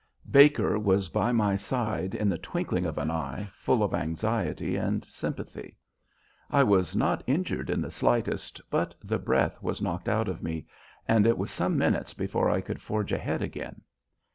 Baker was by my side in the twinkling of an eye full of anxiety and sympathy. I was not injured in the slightest, but the breath was knocked out of me, and it was some minutes before I could forge ahead again.